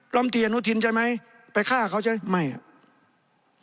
ล้อมเตียนอุทินใช่ไหมไปฆ่าเขาใช่ไหมไม่อ่ะ